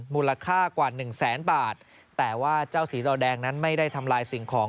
มูลค่ากว่าหนึ่งแสนบาทแต่ว่าเจ้าสีดอแดงนั้นไม่ได้ทำลายสิ่งของ